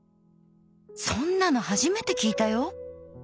そんなの初めて聞いたよ！！